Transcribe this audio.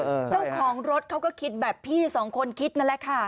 เจ้าของรถเขาก็คิดแบบพี่สองคนคิดนั่นแหละค่ะ